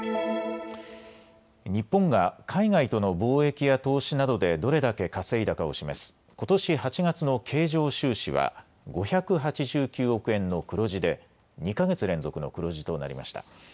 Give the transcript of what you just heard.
日本が海外との貿易や投資などでどれだけ稼いだかを示すことし８月の経常収支は５８９億円の黒字で２か月連続の黒字となりました。